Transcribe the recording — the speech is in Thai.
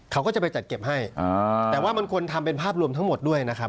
เขาก็จะไปจัดเก็บให้แต่ว่ามันควรทำเป็นภาพรวมทั้งหมดด้วยนะครับ